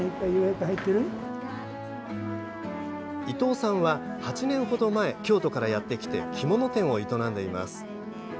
伊藤さんは、８年ほど前京都からやってきて着物店を営んでいます。